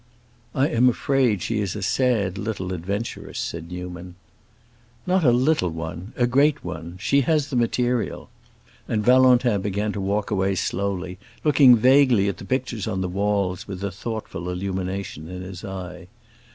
"I am afraid she is a sad little adventuress," said Newman. "Not a little one—a great one. She has the material." And Valentin began to walk away slowly, looking vaguely at the pictures on the walls, with a thoughtful illumination in his eye.